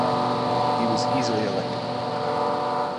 He was easily elected.